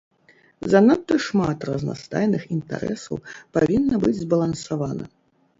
Занадта шмат разнастайных інтарэсаў павінна быць збалансавана.